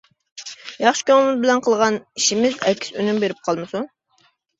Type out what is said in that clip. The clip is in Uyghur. ياخشى كۆڭۈل بىلەن قىلغان ئىشىمىز ئەكس ئۈنۈم بېرىپ قالمىسۇن!